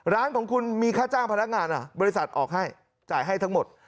ร้านของคุณมีค่าจ้างพนักงานบริษัทออกให้จ่ายให้ทั้งหมด